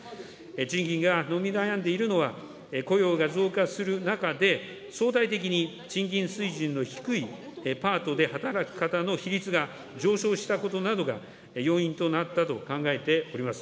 賃金が伸び悩んでいるのは、雇用が増加する中で、相対的に賃金水準の低いパートで働く方の比率が上昇したことなどが要因となったと考えております。